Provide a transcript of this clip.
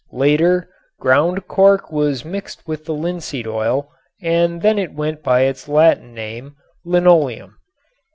Later, ground cork was mixed with the linseed oil and then it went by its Latin name, "linoleum."